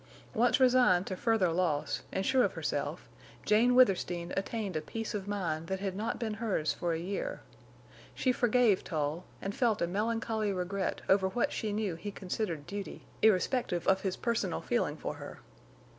Once resigned to further loss, and sure of herself, Jane Withersteen attained a peace of mind that had not been hers for a year. She forgave Tull, and felt a melancholy regret over what she knew he considered duty, irrespective of his personal feeling for her.